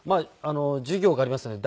授業がありますよね。